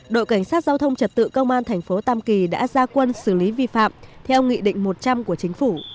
đội cảnh sát giao thông trật tự công an thành phố tam kỳ đã ra quân xử lý vi phạm theo nghị định một trăm linh của chính phủ